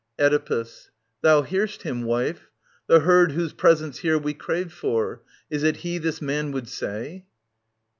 Oedipus. Thou hear'st him, wife. The herd whose presence here Wc craved for, is it he this man would say